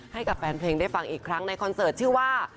ให้กับแฟนเพลงได้ฟังอีกครั้งในคอนเสิร์ตชื่อว่า